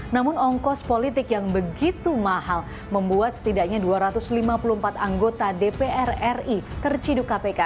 namun ongkos politik yang begitu mahal membuat setidaknya dua ratus lima puluh empat anggota dpr ri terciduk kpk